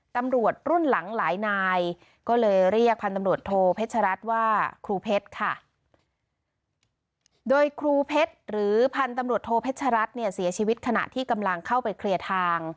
ตำรวจรุ่นหลังหลายนายก็เลยเรียกพันธุ์ตำรวจโทเพชรัตน์ว่าครูเพชรค่ะโดยครูเพชรหรือพันธุ์ตำรวจโทเพชรัตน์เนี่ยเสียชีวิตขณะที่กำลังเข้าไปเคลียร์ทาง